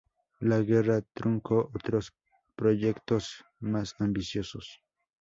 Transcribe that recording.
La guerra truncó otros proyectos más ambiciosos.